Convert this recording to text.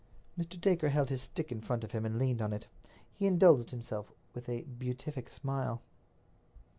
Mr. Dacre held his stick in front of him and leaned on it. He indulged himself with a beatific smile.